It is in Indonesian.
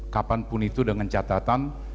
kapanpun itu dengan catatan